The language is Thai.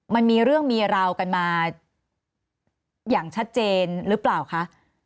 มันมีเรื่องมีราวกันมาอย่างชัดเจนหรือเปล่าคะ